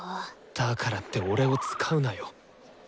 だからって俺を使うなよ。